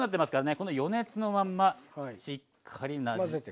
この余熱のまんましっかり混ぜていくと。